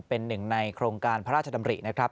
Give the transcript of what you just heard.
เป็นหนึ่งในโครงการพระราชดำรินะครับ